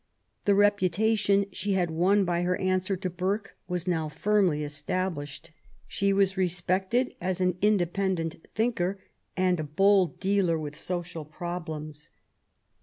The reputation she had won by her answer to Burke was now firmly established. She was respected as an independent thinker and a bold dealer with social problems.